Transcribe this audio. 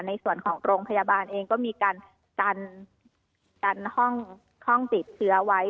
ในส่วนของโรงพยาบาลเองก็มีการกันห้องติดเชื้อไว้